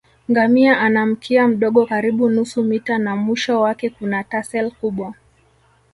Ngamia ana mkia mdogo karibu nusu mita na mwisho wake kuna tassel kubwa